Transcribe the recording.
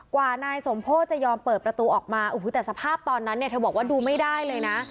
กว่านายสมโพธิจะยอมเปิดประตูออกมาโอ้โหแต่สภาพตอนนั้นเนี่ยเธอบอกว่าดูไม่ได้เลยนะ